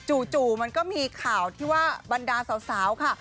จู่มันก็มีข่าวที่ว่าบรรดาสาวค่ะ